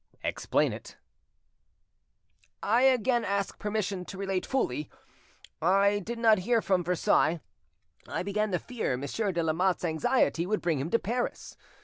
"Explain it." "I again ask permission to relate fully. I did not hear from Versailles: I began to fear Monsieur de Lamotte's anxiety would bring him to Paris.